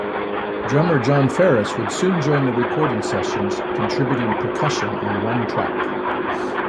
Drummer Jon Farriss would soon join the recording sessions, contributing percussion on one track.